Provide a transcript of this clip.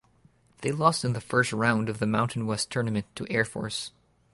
They lost in the first round of the Mountain West Tournament to Air Force.